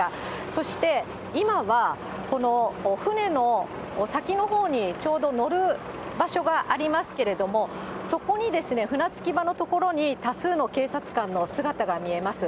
そして、今はこの船の先のほうにちょうど乗る場所がありますけれども、そこに船着き場の所に、多数の警察官の姿が見えます。